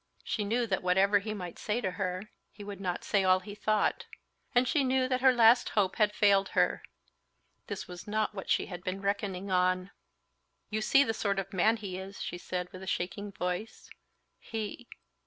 She knew that whatever he might say to her, he would not say all he thought. And she knew that her last hope had failed her. This was not what she had been reckoning on. "You see the sort of man he is," she said, with a shaking voice; "he...."